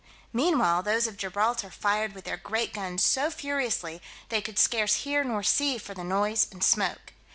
Meanwhile, those of Gibraltar fired with their great guns so furiously, they could scarce hear nor see for the noise and smoke.